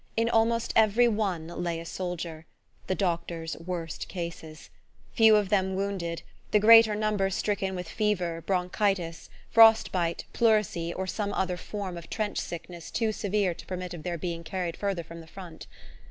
In almost every one lay a soldier the doctor's "worst cases" few of them wounded, the greater number stricken with fever, bronchitis, frost bite, pleurisy, or some other form of trench sickness too severe to permit of their being carried farther from the front.